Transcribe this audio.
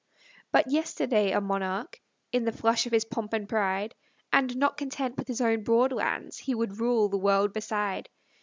But yesterday a monarch, In the flush of his pomp and pride, And, not content with his own broad lands, He would rule the world beside.